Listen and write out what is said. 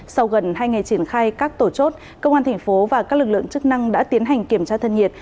sau gần hai ngày triển khai các tổ chốt công an thành phố và các lực lượng chức năng đã tiến hành kiểm tra thân nhiệt